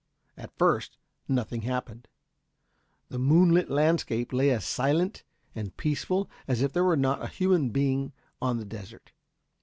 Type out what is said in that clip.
At first nothing happened. The moonlit landscape lay as silent and peaceful as if there were not a human being on the desert.